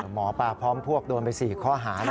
หมอปลาพร้อมพวกโดนไป๔ข้อหานะ